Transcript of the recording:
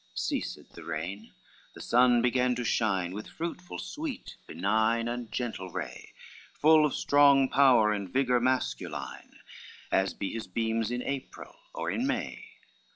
LXXX Ceased the rain, the sun began to shine, With fruitful, sweet, benign, and gentle ray, Full of strong power and vigor masculine, As be his beams in April or in May.